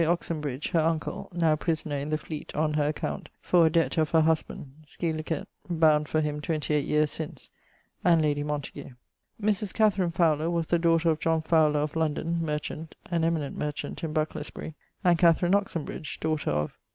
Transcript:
Oxenbridge, her uncle (now prisoner in the Fleet on her account for a dept of her husband, scil. bound for him 28 yeares since), and lady Montagu. Mris Katharine Fowler was the daughter of John Fowler of London, merchant (an eminent merchant in Bucklersbury), and Katherine Oxenbridge, daughter of